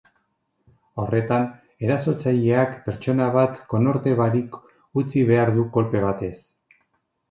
Horretan, erasotzaileak pertsona bat konorte barik utzi behar du kolpe batez.